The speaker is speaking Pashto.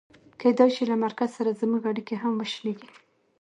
کېدای شي له مرکز سره زموږ اړیکې هم وشلېږي.